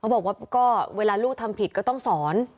บอกว่าก็เวลาลูกทำผิดก็ต้องสอน